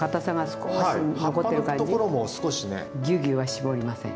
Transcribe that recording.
ぎゅうぎゅうは絞りません。